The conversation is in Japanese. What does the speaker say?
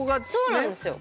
そうなんですよ。